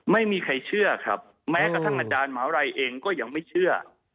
ไม่มีใครเชื่อครับแม้กระทั่งอาจารย์มหาวิทยาลัยเองก็ยังไม่เชื่อ